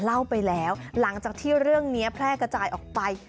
เล่าไปแล้วหลังจากที่เรื่องนี้แพร่กระจายออกไป